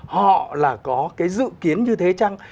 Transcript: họ là có cái dự kiến như thế chăng